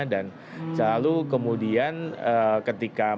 dan selalu kemudian ketika mendengarkan